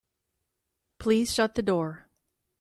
Please shut the door.